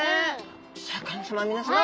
シャーク香音さま皆さま